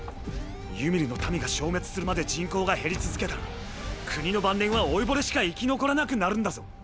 ユミルの民が消滅するまで人口が減り続けたら国の晩年は老いぼれしか生き残らなくなるんだぞ？